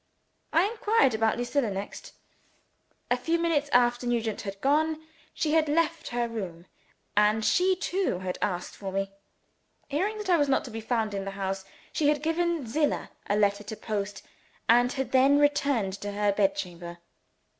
I inquired about Lucilla next. A few minutes after Nugent had gone, she had left her room, and she too had asked for me. Hearing that I was not to be found in the house, she had given Zillah a letter to post and had then returned to her bed chamber.